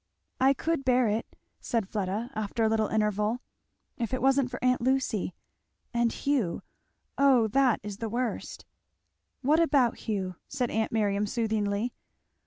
"I could bear it," said Fleda after a little interval, "if it wasn't for aunt Lucy and Hugh oh that is the worst! " "What about Hugh?" said aunt Miriam, soothingly.